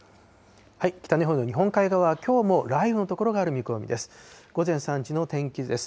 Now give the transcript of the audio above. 北日本の日本海側はきょうも雷雨の所がある見込みです。